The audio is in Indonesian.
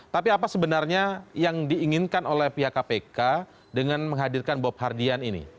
tapi apa sebenarnya yang diinginkan oleh pihak kpk dengan menghadirkan bob hardian ini